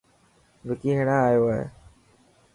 وڪي هيڻان آيو هي.